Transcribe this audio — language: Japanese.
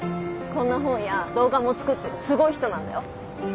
こんな本や動画も作ってるすごい人なんだよ。